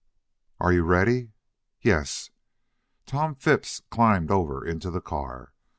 "Are you ready?" "Yes." Tom Phipps climbed over into the car.